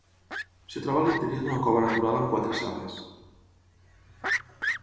Es troba a l'interior d'una cova natural amb quatre sales.